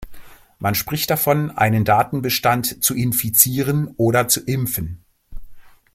Man spricht davon, einen Datenbestand zu „infizieren“ oder zu „impfen“.